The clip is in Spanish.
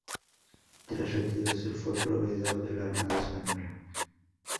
Tras retirarse fue proveedor de la armada española.